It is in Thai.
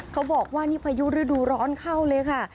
เขาบอกว่านี่พายุฤดูร้อนเข้าเลยค่ะ